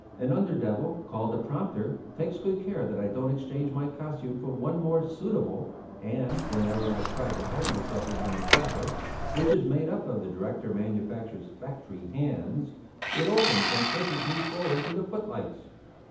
An under devil, called the prompter, takes good care that I don't exchange my costume for one more suitable; and whenever I try to hide myself behind the crowd, which is made up of the director manufacturer's factory hands, it opens and pushes me forward to the footlights.